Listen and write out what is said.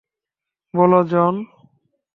বলো, জন?